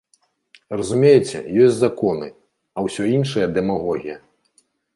Разумееце, ёсць законы, а ўсё іншае дэмагогія.